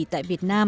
tại việt nam